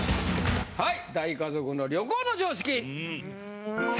はい。